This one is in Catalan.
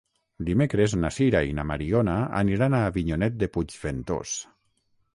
Dimecres na Sira i na Mariona aniran a Avinyonet de Puigventós.